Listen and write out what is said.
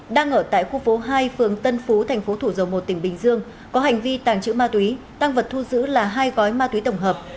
đang ở tại khu phố hai phường tân phú thành phố thủ dầu một tỉnh bình dương có hành vi tàng trữ ma túy tăng vật thu giữ là hai gói ma túy tổng hợp